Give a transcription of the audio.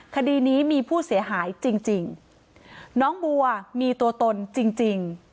คดีนี้มีผู้เสียหายจริงน้องบัวมีตัวตนจริงจริง